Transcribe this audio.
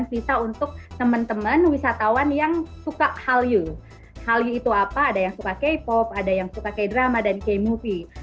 visa halyu itu apa ada yang suka k pop ada yang suka k drama ada yang suka k movie